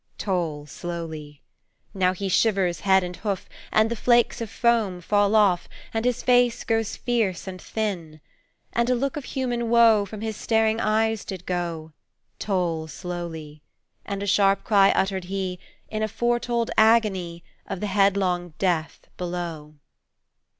Toll slowly. Now he shivers head and hoof, and the flakes of foam fall off, And his face grows fierce and thin! "And a look of human woe from his staring eyes did go, Toll slowly. And a sharp cry uttered he, in a foretold agony of the headlong death below."